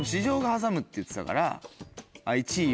って言ってたから。